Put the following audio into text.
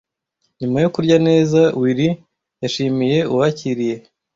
Nyuma yo kurya neza, Willie yashimiye uwakiriye.